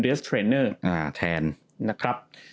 ทีเรนเตอร์